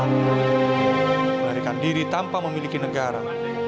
melarikan diri tanpa memiliki negara